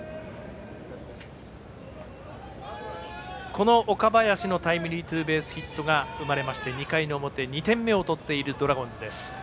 この岡林のタイムリーツーベースヒットが生まれまして２回の表、２点目を取っているドラゴンズです。